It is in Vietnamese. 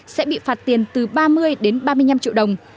sẽ bị phạt tiền từ ba mươi đến ba mươi năm triệu đồng